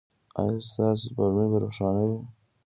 ایا ستاسو سپوږمۍ به روښانه وي؟